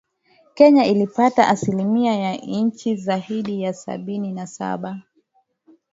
Kenya ilipata asilimia ya chini zaidi ya sabini na saba.